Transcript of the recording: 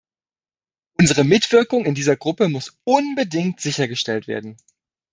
Unsere Mitwirkung in dieser Gruppe muss unbedingt sichergestellt werden.